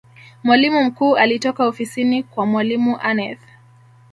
mwalimu mkuu alitoka ofisini kwa mwalimu aneth